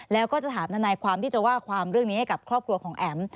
แล้วก็จะถามทนายความที่จะว่าความเรื่องนี้ให้กับครอบครัวของแอ๋ม